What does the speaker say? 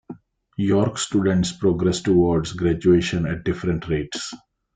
York students progress toward graduation at different rates.